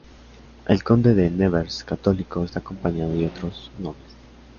El Conde de Nevers, católico, está acompañado de otros nobles.